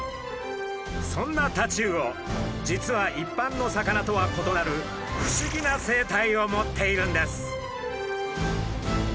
そんなタチウオ実は一般の魚とは異なる不思議な生態を持っているんです。